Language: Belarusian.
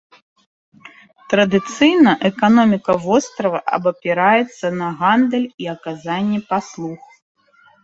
Традыцыйна эканоміка вострава абапіраецца на гандаль і аказанне паслуг.